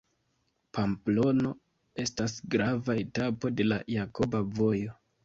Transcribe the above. Pamplono estas grava etapo de la Jakoba Vojo.